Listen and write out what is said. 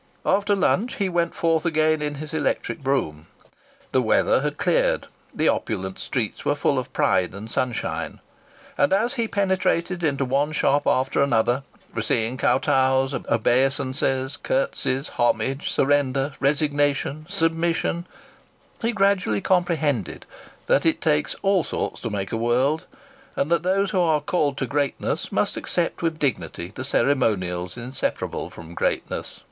After lunch he went forth again in his electric brougham. The weather had cleared. The opulent streets were full of pride and sunshine. And as he penetrated into one shop after another, receiving kowtows, obeisances, curtsies, homage, surrender, resignation, submission, he gradually comprehended that it takes all sorts to make a world, and that those who are called to greatness must accept with dignity the ceremonials inseparable from greatness.